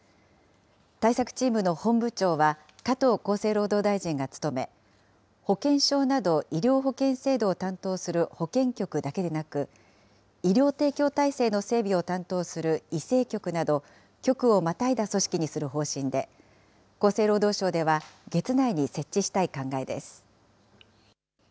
対策チームの本部長は加藤厚生労働大臣が務め、保険証など医療保険制度を担当する保険局だけでなく、医療提供体制の整備を担当する医政局など、局をまたいだ組織にする方針で、厚生労働省では、月内に設置したい考えです。